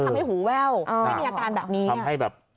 ทำให้หูแววไม่มีอาการแบบนี้